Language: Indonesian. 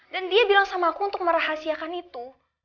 dan dia bilang sama aku untuk merahasiakan itu